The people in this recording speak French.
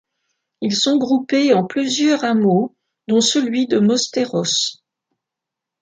Ils sont groupés en plusieurs hameaux dont celui de Mosteiros.